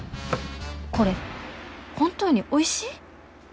これ本当においしい？